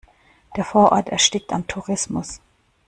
Der Vorort erstickt am Tourismus.